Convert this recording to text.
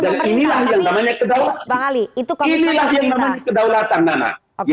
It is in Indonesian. dan inilah yang namanya kedaulatan nana